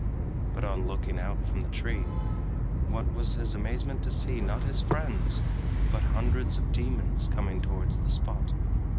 But on looking out from the tree, what was his amazement to see, not his friends, but hundreds of demons coming towards the spot.